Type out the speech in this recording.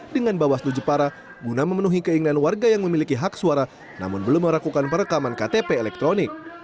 dengan bawaslu jepara guna memenuhi keinginan warga yang memiliki hak suara namun belum merakukan perekaman ktp elektronik